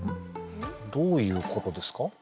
どういうことですか？